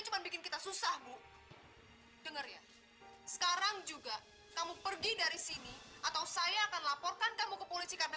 cuma bikin kita susah bu dengar ya sekarang juga kamu pergi dari sini atau saya akan laporkan kamu ke polisi karena